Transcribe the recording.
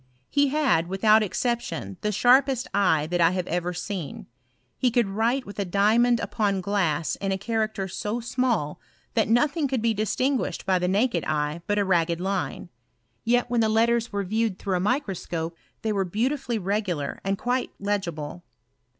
He had, without exception, the sharpest eye that I have ever seen : he could write with a diamond upon glass in a character so small, that nothing could be distin guished by the naked eye but a ragged line ; yet when the letters were viewed through a microscope, they were beautifully regular and quite legible.